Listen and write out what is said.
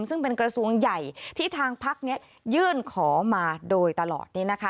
ซึ่งเป็นกระทรวงใหญ่ที่ทางพักนี้ยื่นขอมาโดยตลอด